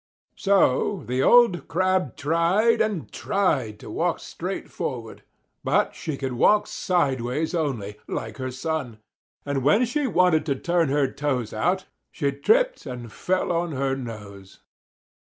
So the old Crab tried and tried to walk straight forward. But she could walk sideways only, like her son. And when she wanted to turn her toes out she tripped and fell on her nose.